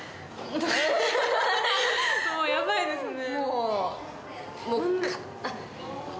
もうヤバいですね。